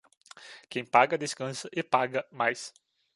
Quem paga, descansa e paga mais.